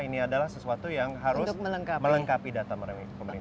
ini adalah sesuatu yang harus melengkapi data mereka